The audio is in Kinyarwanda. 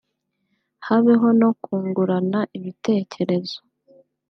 habeho no kungurana ibitekerezo